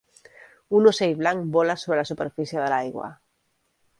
Un ocell blanc vola sobre la superfície de l'aigua.